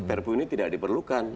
perpu ini tidak diperlukan